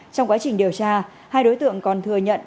trong quá trình điều tra hai đối tượng còn thừa nhận